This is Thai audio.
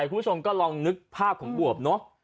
คุณผู้ชมก็ลองนึกภาพของบวบเนอะ